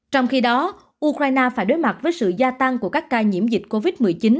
trong khi đó ukraine phải đối mặt với sự gia tăng của các ca nhiễm dịch covid một mươi chín